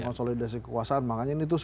konsolidasi kekuasaan makanya ini tuh